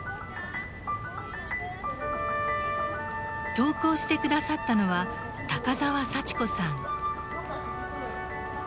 投稿して下さったのは高澤祥子さん。